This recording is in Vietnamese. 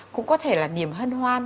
cũng có thể là niềm hân hoan